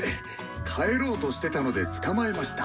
帰ろうとしてたので捕まえました。